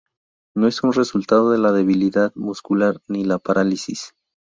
No es un resultado de la debilidad muscular ni la parálisis.